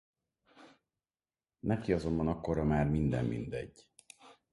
Neki azonban akkorra már minden mindegy.